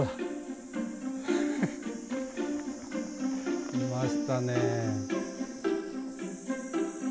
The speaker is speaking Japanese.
フフいましたね。